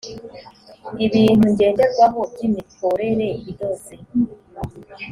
ibintu ngenderwaho by imikorere inoze